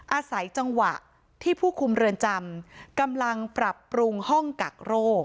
อาศัยจังหวะที่ผู้คุมเรือนจำกำลังปรับปรุงห้องกักโรค